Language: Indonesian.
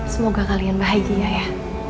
semoga kalian bahagia ya